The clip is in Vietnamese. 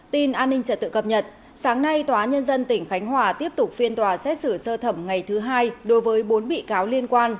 tin an ninh trật tự cập nhật sáng nay tòa nhân dân tỉnh khánh hòa tiếp tục phiên tòa xét xử sơ thẩm ngày thứ hai đối với bốn bị cáo liên quan